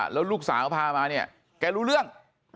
แล้วลูกสาวพามาเนี่ยแกรู้เรื่อง